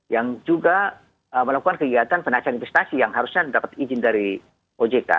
yang juga melakukan kegiatan penasihan investasi yang harusnya mendapat izin dari ojk